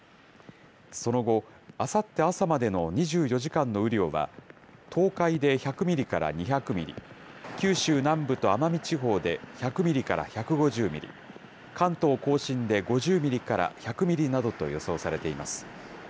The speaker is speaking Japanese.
その後、あさって朝までの２４時間の雨量は、東海で１００ミリから２００ミリ、九州南部と奄美地方で１００ミリから１５０ミリ、関東甲信で５０ミリから１００ミリなどと予想されています。